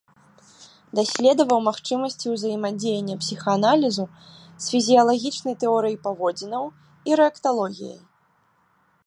Даследаваў магчымасці ўзаемадзеяння псіхааналізу з фізіялагічнай тэорыяй паводзінаў і рэакталогіяй.